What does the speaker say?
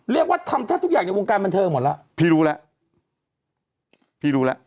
เรียกว่าทำทัศน์ทุกอย่างอยู่ในวงการบรรเทิงหมดล่ะพี่รู้ล่ะพี่รู้ล่ะ